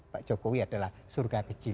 pak jokowi adalah surga kecil